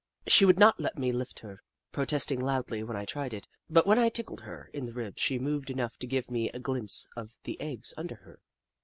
She would not let me lift her, protesting loudly when I tried it, but when I tickled her in the ribs she moved enough to give me a glimpse of the eggs under her.